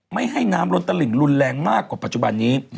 ไม่ให้น้ำล้นตลิ่งรุนแรงมากกว่าปัจจุบันนี้